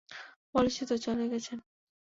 বলছি তো চলে গেছেন।